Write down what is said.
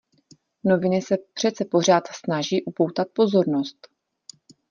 Noviny se přece pořád snaží upotat pozornost.